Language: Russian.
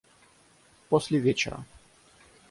После вечера.